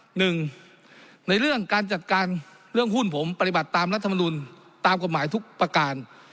หนึ่งในเรื่องการจัดการเรื่องหุ้นผมปฏิบัติตามรัฐมนุนตามกฎหมายทุกประการ